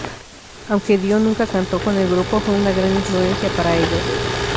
Aunque Dio nunca cantó con el grupo, fue una gran influencia para ellos.